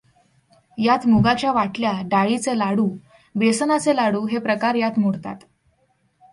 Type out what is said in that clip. यात मुगाच्या वाटल्या डाळीचे लाडू, बेसनाचे लाडू हे प्रकार यात मोडतात.